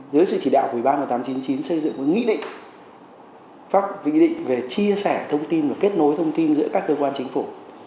dưới sự chỉ đạo của bộ tài chính chủ trì xây dựng một nghị định về chia sẻ thông tin và kết nối thông tin giữa các cơ quan chính phủ